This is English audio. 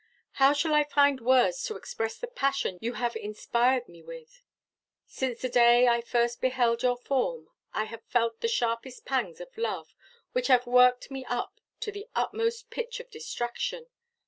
How shall I find words to express the passion you have inspired me with? Since the day I first beheld your form I have felt the sharpest pangs of love, which have worked me up to the utmost pitch of distraction.